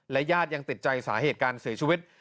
ญาติยังติดใจสาเหตุการเสียชีวิต